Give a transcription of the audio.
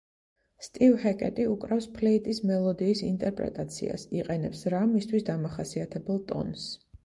სტივ ჰეკეტი უკრავს ფლეიტის მელოდიის ინტერპრეტაციას, იყენებს რა მისთვის დამახასიათებელ ტონს.